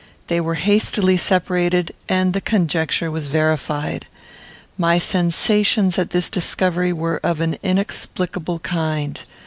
They were hastily separated, and the conjecture was verified. My sensations at this discovery were of an inexplicable kind.